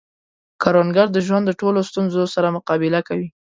کروندګر د ژوند د ټولو ستونزو سره مقابله کوي